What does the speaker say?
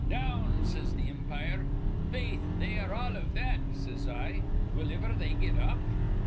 'Down!' says th' impire. 'Faith, they are all iv that,' says I, 'Will iver they get up?'